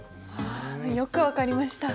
よく分かりました。